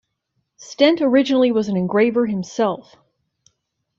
Stent originally was an engraver himself.